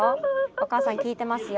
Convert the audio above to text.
おかあさん聞いてますよ。